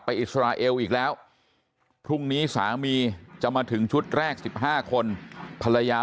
อิสราเอลอีกแล้วพรุ่งนี้สามีจะมาถึงชุดแรก๑๕คนภรรยา